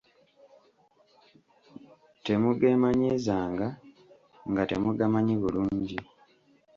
Temugeemanyiizanga nga temugamanyi bulungi.